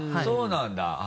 そうなんだ。